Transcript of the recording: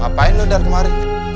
apaan lu dari kemari